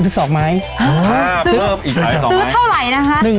ซื้อเท่าไหร่นะฮะ